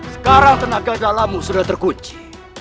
sekarang tenaga dalammu sudah terkunci